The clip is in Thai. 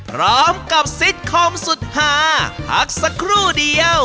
พร้อมกับซิตคอมสุดหาพักสักครู่เดียว